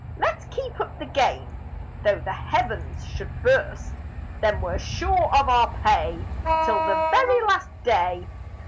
Let's keep up the Game, Though the Heavens should burst; Then we're sure of our pay, Till the very Last Day.